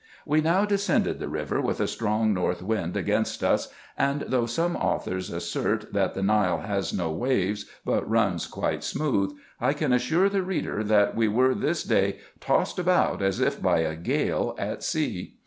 We now descended the river with a strong north wind against us ; and though some authors assert, that the Nile has no waves, but runs quite smooth, I can assure the reader, that we were this day tossed about as if by a gale at sea.